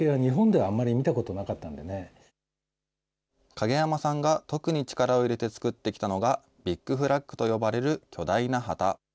影山さんが特に力を入れて作ってきたのが、ビッグフラッグと呼ばれる巨大な旗。